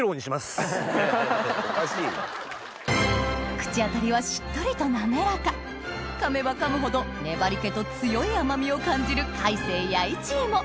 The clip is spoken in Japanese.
口当たりはしっとりと滑らか噛めば噛むほど粘り気と強い甘みを感じる開成弥一芋！